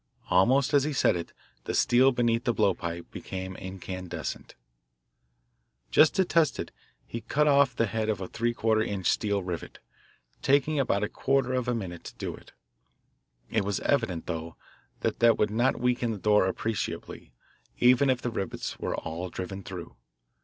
Almost as he said it, the steel beneath the blowpipe became incandescent. Just to test it, he cut off the head of a three quarter inch steel rivet taking about a quarter of a minute to do it. It was evident, though, that that would not weaken the door appreciably, even if the rivets were all driven through.